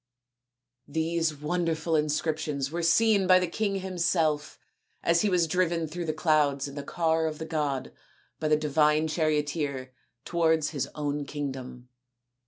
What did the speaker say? These wonderful inscriptions were seen by the king himself as he was driven through the clouds in the car of the god by the divine charioteer towards his own kingdom.